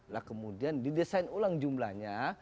lah kemudian didesain ulang jumlahnya